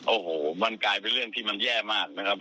โอ้โหมันกลายเป็นเรื่องที่มันแย่มากนะครับ